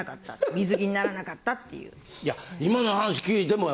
水着にならなかったっていう。